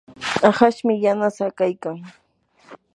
ahashmi yanasaa kaykan.